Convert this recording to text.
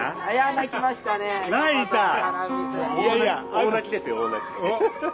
大泣きですよ大泣き。